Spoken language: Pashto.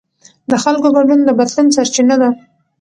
د خلکو ګډون د بدلون سرچینه ده